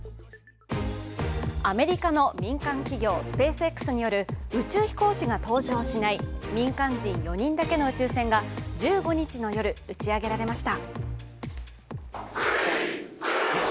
アメリカの民間企業、スペースＸによる宇宙飛行士が搭乗しない民間人４人だけの宇宙船が１５日の夜、打ち上げられました。